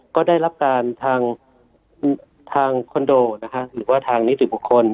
ก็ได้รับการทางคอนโดหรือว่าทางนิติบุคคล